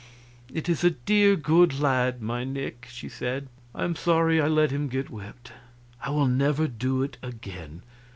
"It is a dear, good lad, my Nick," she said. "I am sorry I let him get whipped; I will never do it again.